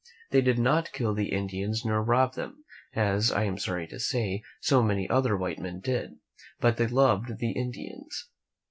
They did not kill the Indians nor rob them, as, I am sorry to say, so many other white men did, but they loved the Indians.